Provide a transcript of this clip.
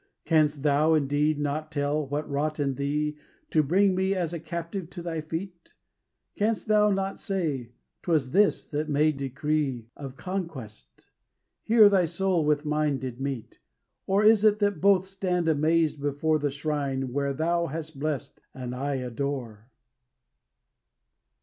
Canst thou, indeed, not tell what wrought in thee To bring me as a captive to thy feet? Canst thou not say, "'Twas this that made decree Of conquest; here thy soul with mine did meet?" Or is it that both stand amazed before The shrine where thou hast blessed and I adore?